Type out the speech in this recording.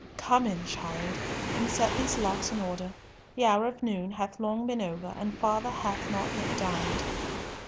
"Come in, child, and set these locks in order. The hour of noon hath long been over, and father hath not yet dined."